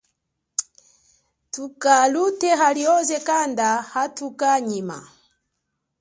Thuka luthe halioze kanda uthuka nyima.